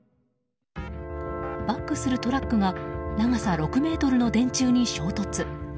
バックするトラックが長さ６ｍの電柱に衝突。